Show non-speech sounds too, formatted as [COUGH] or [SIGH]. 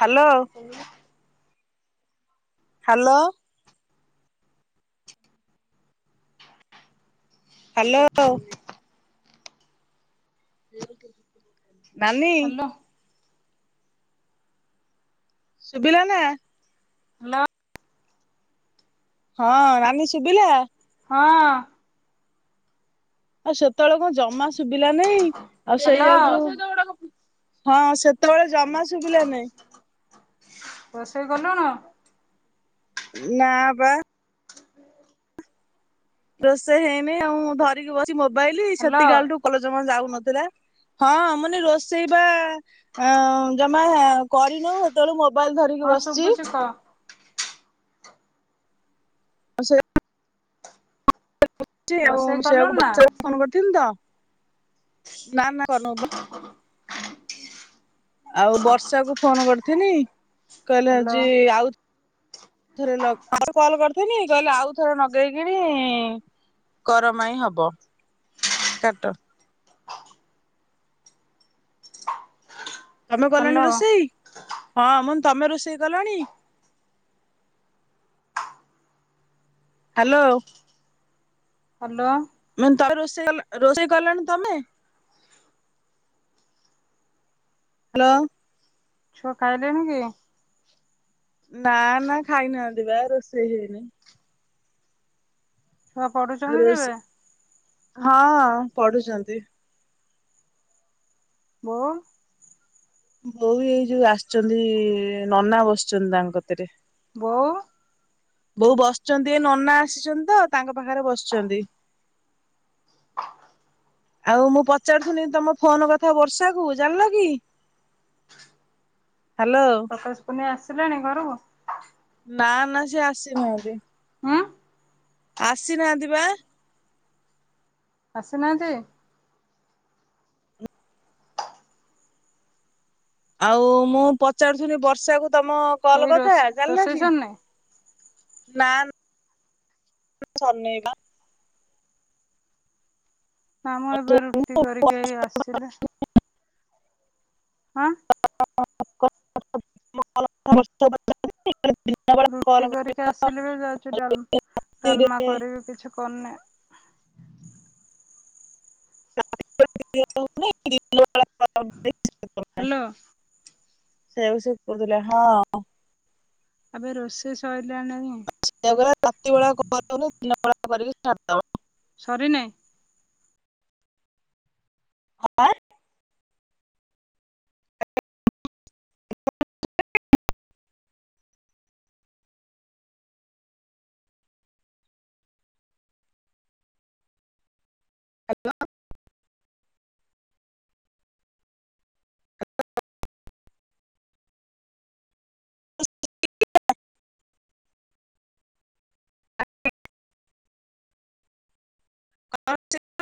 Hello. ହ [INAUDIBLE] hello. Hello. ନାନୀ hello ଶୁଭିଲା ନା? ନା। ହଁ ନାନୀ ଶୁଭିଲା? ହଁ। ଆଉ ସେତେବେଳେ କଣ ଜମା ଶୁଭିଲା ନାଇ ଆଉ ହ୍ୟାଲୋ ସେଇଆକୁ ହଁ କେତେବେଳେ ଜମା ଶୁଭିଲା ନାହିଁ। ରୋଷେଇ କଲୁ ଣି? ନା ବା। ରୋଷେ ହେଇନି ଆ ଧରିକି ବସି ମୋବାଇଲ ହ୍ୟାଲୋ ସେତିକାଳଠୁ କଲଜମା ଯାଉନଥିଲା। ହଁ ମାନେ ରୋଷେଇ ବା ଜମା କରିନୁ। ସେତେବେଳୁ ମୋବାଇଲ ଧରିକି ହଁ ବସିଛି। ଶୁଭୁଛି କହ ଆ ସେ ବ ଚି ଆଉ ରୋଷେଇ ସେଆକୁ କଲୁଣି ବ ନା ଚଆକୁ ଫୋନ୍ କରିଥିଲି ତ ନା ନା କରନୁବା। ଆଉ ବର୍ଷା କୁ ଫୋନ କରିଥିନି ହ୍ୟାଲୋ କହିଲାଯେ ଆଉ ଆଉଥରେ ଲଗେଇ ଆଉ କଲ କରିଥିଲଥିଲି କହିଲେ ଆଉ ଥରେ ଲଗେଇକିରି କରମାଇ ହବ କାଟ। ତମେ କଲଣି ହ୍ୟାଲୋ ରୋଷେଇ? ହଁ ମୁଁନ୍ ତମେ ରୋଷେଇ କଲଣି? ହ୍ୟାଲୋ। ହ୍ୟାଲୋ। ମାନେ ତମେ ରୋଷେଇ ରୋଷେଇ କଲଣି ତମେ? ହ୍ୟାଲୋ। ଛୁଆ ଖାଇଲେନି କି? ନା ନା ଖାଇନାହାନ୍ତି ବା ରୋଷେଇ ହେଇନି। ଛୁଆ ଆଉ ପଢୁଛନ୍ତି କେବେ ରୋଷେଇ ହଁ ପଢୁଛନ୍ତି। ମୁଁ ବୋଉ ଏଇ ଯୋଉ ଆସିଛନ୍ତି ନନା ବସିଛନ୍ତି ତାଙ୍କତରେ। ବୋଉ। ବୋଉ ବସିଛନ୍ତି ଏ ନନା ଆସିଛନ୍ତି ତ ତାଙ୍କ ପାଖରେ ବସିଛନ୍ତି। ଆଉ ମୁଁ ପଚାରୁଥିଲି ତମ ଫୋନ କଥା ବର୍ଷା କୁ ଜାଣିଲ କି? ହ୍ୟାଲୋ। ପ୍ରକାଶ କୁନିଆ ଆସିଲାଣି ଘରୁ? ନା ନା ସେ ଆସିନାହାନ୍ତି। ହଁ? ଆସିନାହାନ୍ତି ବା। ଆସିନାହାନ୍ତି। ଆଉ ମୁଁ ପଚାରୁଥିଲି ବର୍ଷାକୁୁ ତମ କେହି କଲ କଥା ରୋଷେ ଜାଣିଲ ରୋଷେଇ କି ସରିନି ନା ସରିନି ଏକା। ନା ମୁଁ ଏବେ ରୁଟି କରିକି ଏଇ ଆସିଲି। ହଁ। ଦଶ ଟା ବାଜିଲାଣି [UNINTELLIGIBLE] ନେଇକି ଆସିଲି। ରୁଟି କରିକି ଆସିଲି ଏବେ ଯାଉଛି ଡାଲ ଡାଲମା କରିବି କିଛି କରିନିଁ। ହ୍ୟାଲୋ [UNINTELLIGIBLE] ସେଆକୁ ଶିଖାଉଥିଲା ହଁ। ଏବେ ରୋଷେଇ ସୋଇଲାଣି ସେଆପରା ରାତି ବେଳା କରି ହଉନି ଦିନବେଳା କରିକି ଛାଡିଦବ। ସରି ନାହିଁ? ହ ବା [UNINTELLIGIBLE] ହ୍ୟାଲୋ। [UNINTELLIGIBLE]